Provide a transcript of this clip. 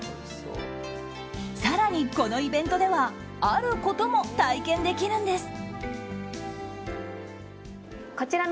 更に、このイベントではあることも体験できるんです。